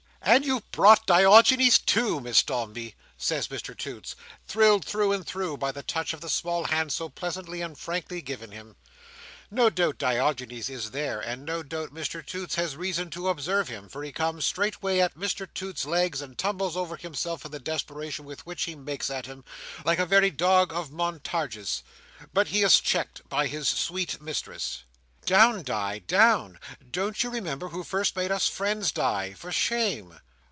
"And you've brought Diogenes, too, Miss Dombey!" says Mr Toots, thrilled through and through by the touch of the small hand so pleasantly and frankly given him. No doubt Diogenes is there, and no doubt Mr Toots has reason to observe him, for he comes straightway at Mr Toots's legs, and tumbles over himself in the desperation with which he makes at him, like a very dog of Montargis. But he is checked by his sweet mistress. "Down, Di, down. Don't you remember who first made us friends, Di? For shame!"